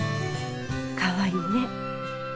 かわいいね。